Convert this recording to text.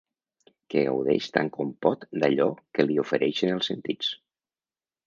Que gaudeix tant com pot d'allò que li ofereixen els sentits.